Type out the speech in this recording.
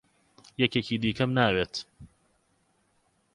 یەکێکی دیکەم ناوێت.